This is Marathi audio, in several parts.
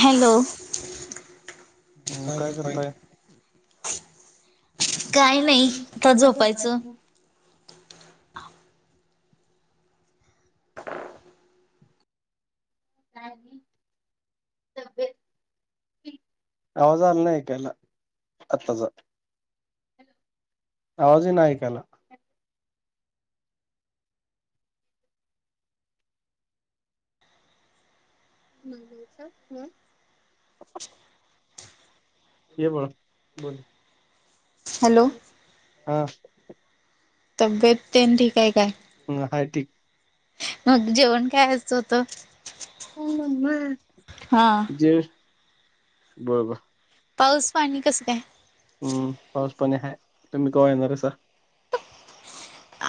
[inaudible] हॅलो हो काय करताय? काय नाही आता झोपायचं नाही तबेत आवाज आला नाही ऐकायला आत्ताचा आवाजे ना कला ह बोलच ह ये ब बोोल हॅलो हा तब्येत त्यां ठीकय काय ह हय ठीिकक मग जेवण कायचं होत जे बरोबर पाऊस पाणी कसं काय हम्म पाऊस पणे आहे तुम्ही क येणार आहे सर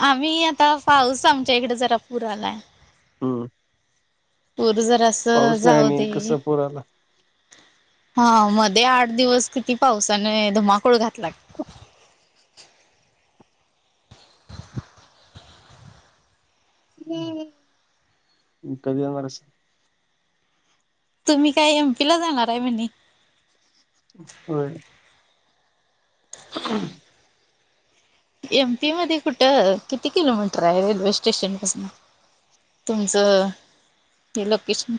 आम्ही आता पाऊस आमच्या इकडे जरा पुूर आलाय हम् पूर जरा असं नाही जाऊ आणि दे कसं पूर आला. हा मध्ये आठ दिवस किती पावसाने धुमाकूळ घातला परीणार रस तुम्ही काय एम पी ला जाणार आहे म्हणे होय हं एमपी मध्ये कुठं किती किलोमीटर आहे रेल्वे स्टेशन पासून तुमचं ते लोकेशन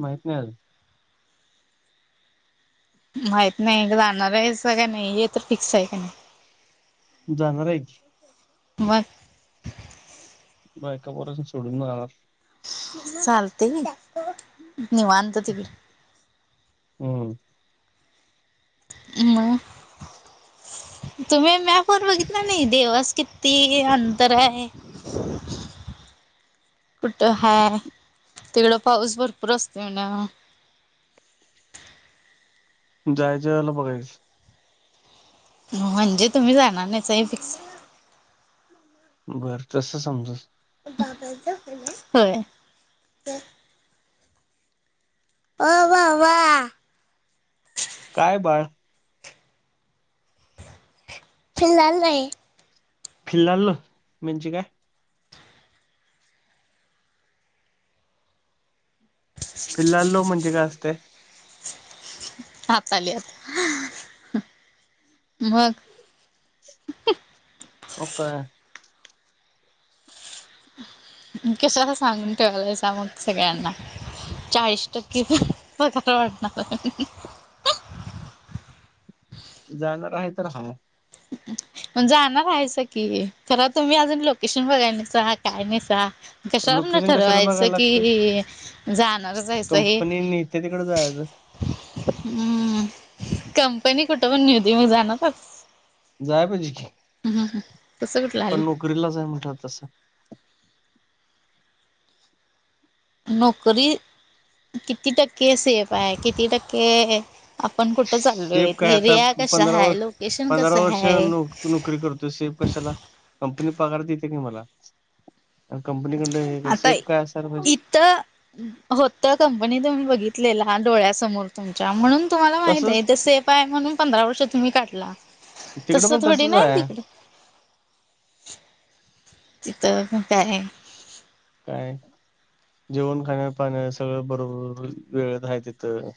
माहित नाही माहित नाही जाणार आहे स का नाही य तर फिक्स आहे का नाही जानर आहेची मग बकापोशून च सुडून चालते निवनत त हम्म हम तुम्ही मपर् कितना नाही देवास क ते अंतर आहे कुठं हा तिकडं पाऊस भरपूर असते ना जायचंला बघायचं म्हणजे तुम्ही जाणार नाहीचही फिक्स बरं तस समजा होय ववा वा काय बाळ फिलहल नाही फिल्ल्हाल मच काय. फिलल लो म्हणजे काय असते. हात आली आत मग. हो काय. कशा सांगून ठेवालायचा मग सगळ्यांना. चाळीस टक्के पकार वाटणार. जाणार आहे तर ह म जाणार आहेचं की खर तुम्ही अजून लोकेशन बघाय नसा काय नाहीसा. कशावर न लोकेशन कशाला ठरवायचं बघायला लागते कि जाणार जायचं हे. कंपनी नेते तिकडे जायचं हम्म कंपनी कुठं पण न होती मग जाण जाय पाहिजे की. ह त कसं कुठलं आलं. गरिला जाय म्हटत तसं. नोकरी किती टक्के सेफ आहे किती टक्के आपण कुठ ट चाललू शेप काय आहे आता एरिया कसा पंधरा आहे वर्ष लोकेशन पंधरा कसं वर्ष आहे. नोक नोकरी करतोय सेफ कशाला कंपनी पगार देते काी मला. कंपनीकड आता सेफ काय असजे. इथं होत कंपनी आम्ही बघितलेला डोळ्यासमोर. तुमच्या म्हणून तुम्हाला माहित तसंच आहे ते सेफ आहे म्हणून पंधरा वर्ष तुम्ही काढली. तिकडं तस पण थोडी तसंच नाय आहे तिकडं. तिथं मग काय. काय? जेवण खाण्या पाण्या सगळं बरोबर वेळ आहे तिथं.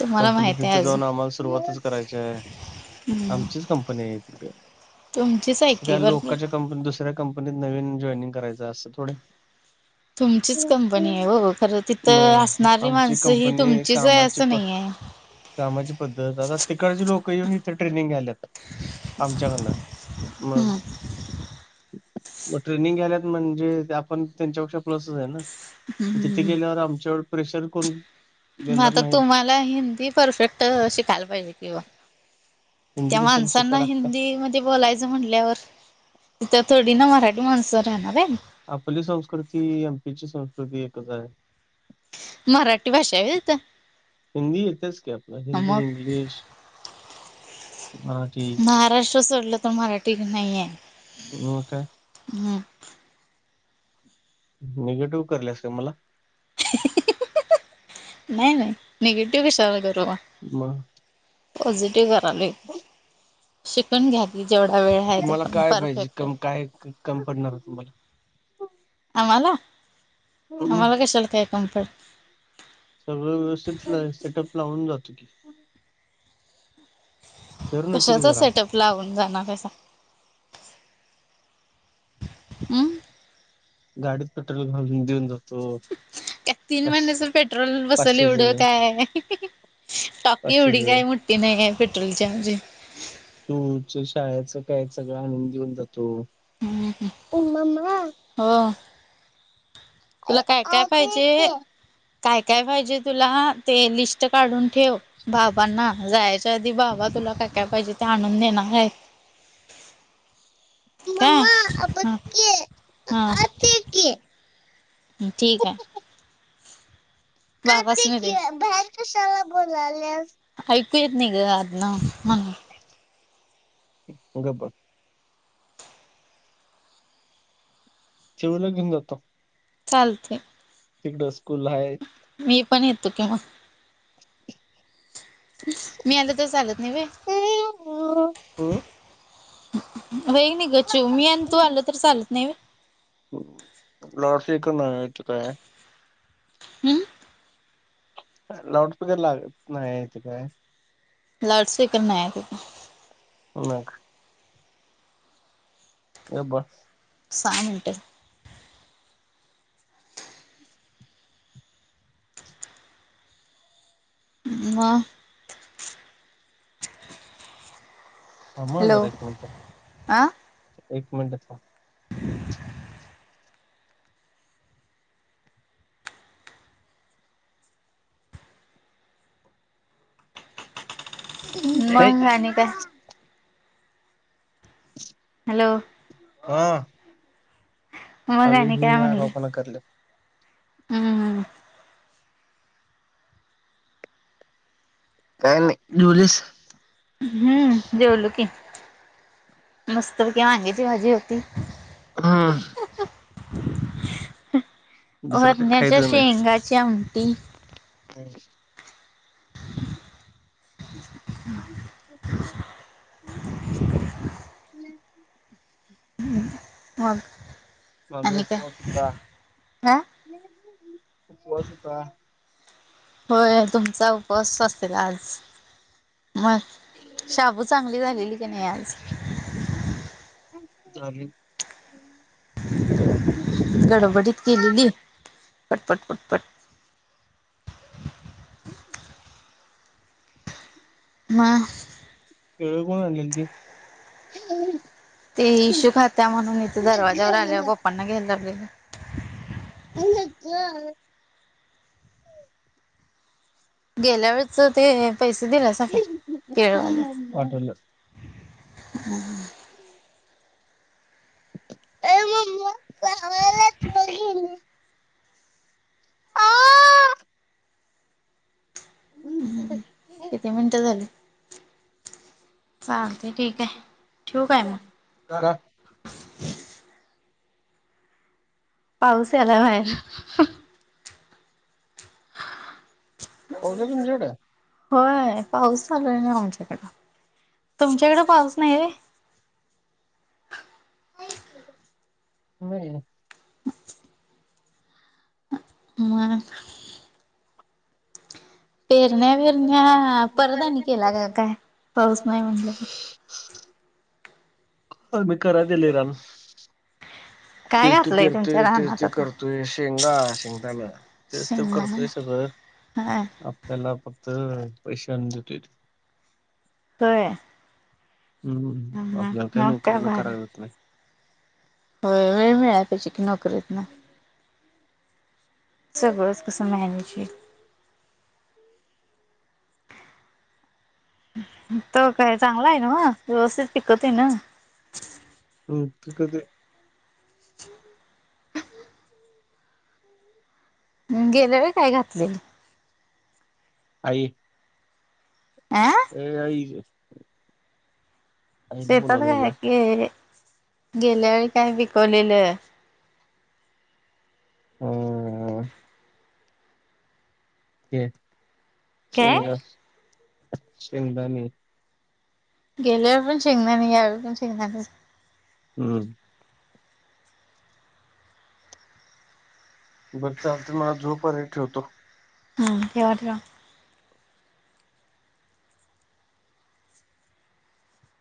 तुम्हाला कंपनी माहित आहे तिथे अजून जाऊन आम्हाला सुरुवातच करायची आहे. आमचीच कंपनी आहे तिकं. तुमची हायकी कंपनी दुसऱ्या कंपनीत नवीन जॉईनंग करायचं असत थोडे तुमचीच कंपनी आहे हो खरं म तिथं असणारी आमची माणसं ही कंपनी तुमचीच आहे कामाची असं प नाही आहे कामाची पद्धत आता तिकडचे लोक येऊन इथे ट्रेनिंग आलेत. आमच्याकडनं मग. मग ट्रेनिंग घ्याल्यात म्हणजे आपण त्यांच्यापेक्षा प्लसच आहे ना. तिथे गेल्यावर आमच्यावर प्रेशर कोण. म देणार आता नाहीत. तुम्हाला हिंदी परफेक्ट शिकायला पाहिजे कि ओ. हिंदी त्या कशाला माणसांना शिकायला लागत्या. हिंदी मध्ये बोलायचं म्हटल्यावर. तिथ थोडी ना मराठी माणसं राहणारे. आपली संस्कृती एम पी ची संस्कृती एकच आहे. मराठी भाषा आहे व्हय तिथं हिंदी येतेच काय आपला हिंदी मग इंग्लिश. मराठी महाराष्ट्र सोडलं तर मराठी नाहीये. हो का. हम्म. निगेटिव्ह करलेस का मला. नाही नाही निगेटिव्ह कशाला करू. मग. पॉझिटिव करालोय. पण घ्या जेवढा वेळ आहे तो तुम्हाला पण काय पाहिजे परफेक्ट आहे. कम काय? कमी पडणार तुम्हाला. आम्हाला हम्म आम्हाला कशाल काय कमी पडतं. सगळं व्यवस्थित सेटअप लावून जातो की. फिरून येतो की कशाचा जरा सेटअप लावून जाणार आहेस. हम गाडीत पेट्रोल घालून देऊन जाउ. त्यात तीन महिन्याच पेट्रोल बसल पाचशेच एवढं काय टॉकी एवढी काय पाचशेच मोठी नाही आहे पेट्रोलची आमची. तूच शाळेचं काय सगळं आणून देऊन जातो. [unintelligible] हो तुला आ- काय काय आते पाहिजे? के काय काय पाहिजे तुला ते लिस्ट काढून ठेव बाबांना जायच टा आधी बाबा तुला काय काय पाहिजे ते आणून देणार आहेत. काय ह हा [unintelligible] ठीक आहे. बाबांस आते नी दे. की बाहेर कशाला बोलाल्यास [unintelligible] ऐकू येत नाही ग आधन मधण गब्ब [unintelligible] चिउला घेऊन जातो. चालतय. ते डोस्कुल हाय. मी पण येतो कि मग. मी आलं तर चालत नाही होय. हम्म होय कनि ग चिऊ मी आणि तू आल तर चालत नाही होय. लोड की नाय की काय? हम् लाऊडस्पीकर लागत नाही ते काय लाऊडस्पिकर नाही तो. मग. ए बास. सहा मिनिटे झा [unintelligible] मग. थांब हॅलो जरा एक मिनिट हा एक मिनिट थांब. [unintelligible] ह् य मग [unintelligible] आणि काय हॅलो हा मग आणि काय म्हणल. पखातल. हम्मम काय नाही जेवलिस? हम्म जेवलू की मस्त कि वांग्याची भाजी होती. हम्म [unintelligible] दुसरं काय वरण्याच्या खायचं शेंगाची आमटी. काय रे. [unintelligible] होय माझा आणि काय? उपवास होता उपवास होता. होय तुमचा उपवास असेल आज मग. शाबू चांगली झालेली की नाही आज? चालेल. गडबडीत केलेली पटपट पटपट हम्म अअ मा अ केळ कोण आणली ती ते इशू खात्या म्हणून इथे दरवाजावर आल्यावर पप्पांना घ्यायला लावलेले. हम्म काय गेल्या वेळेचे ते पैसे दिलेसे काय केळेवाल्यचे. पाठवल. हम् हम् हम्म ये मम्मी सगळयाच बघीन हो अ हम् किती मिनटं झालीत. चालतेय ठीक आहे ठेवू काय मग का पाऊस आला बाहेर आहे तुमच्याकडे? होय पाऊस चालू हाय नव आमच्याकडे. तुमच्याकडे पाऊस नाही होय? नाही रे मग पेरण्या बिर्याणी परदानी केला का काय पाऊस नाही म्हणलं. अ मी करा तेले राम काय फिरतो घातलंय तुमच्या फिरतोय तेच रानात ते आता करतोय शेंगा शेंगताना. तेच ते शेंगदाणा करतोय सगळं हा त्याना फक्त पैसे आणू देती. काय हम्म आपल्याला काही मग नोकरी काय न भारी कराय होतय. होय वेळ मिळाल त्याशिवाय कीय करीत नाही. सगळंच कसं मला मच होईल. तो काय चांगला आहे नव्ह म व्यवस्थित टिकवतोय नव्ह. हो ते कधी आहे. हो गेल्या वेळी काय घातलेलं. आई आं आ ऐ आई ग. येतात काय की गेल्या वेळी काय विकवलेलं. हम्म... हे काय शेंगदा शिंगदाने गेल्यावर पण शकणार नाही यावर पण शेंगदाणे नाही. हम बरं चालते मला झोप आली ठेवतो. ह ठेवा ठेवा‌